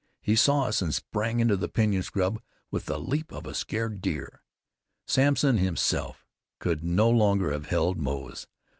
He saw us, and sprang into the pinyon scrub with the leap of a scared deer. Samson himself could no longer have held Moze.